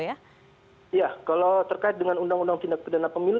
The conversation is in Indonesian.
ya kalau terkait dengan undang undang tindak pidana pemilu